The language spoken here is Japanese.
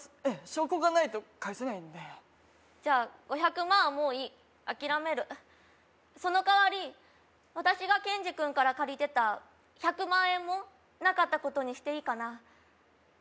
証拠がないと返せないんでじゃあ５００万はもういい諦めるそのかわり私がケンジ君から借りてた１００万円もなかったことにしていいかな？